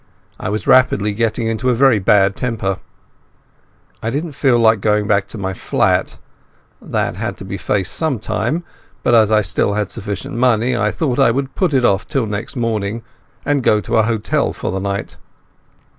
I was rapidly getting into a very bad temper. I didn't feel like going back to my flat. That had to be faced some time, but as I still had sufficient money I thought I would put it off till next morning, and go to a hotel for the night.